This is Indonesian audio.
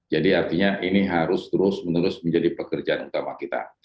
jadi artinya ini harus terus menerus menjadi pekerjaan utama kita